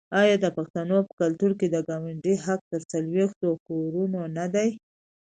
آیا د پښتنو په کلتور کې د ګاونډي حق تر څلوېښتو کورونو نه دی؟